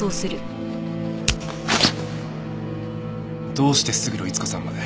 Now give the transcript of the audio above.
どうして勝呂伊津子さんまで？